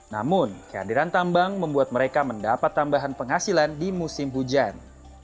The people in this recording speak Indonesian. namun kehadiran tambang membuat mereka mendapat tambahan penghasilan di musim hujan